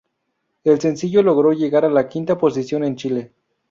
El sencillo logró llegar a la quinta posición en Chile.